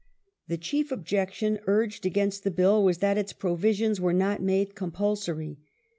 The chief objection urged against the Bill was that its provisions were not made compulsory.